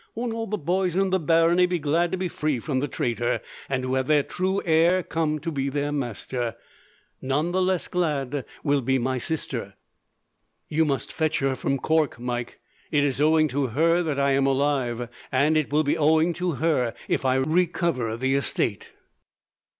Won't all the boys in the barony be glad to be free from the traitor, and to have the true heir come to be their master. None the less glad will be my sister." "You must fetch her from Cork, Mike. It is owing to her that I am alive, and it will be owing to her if I recover the estate.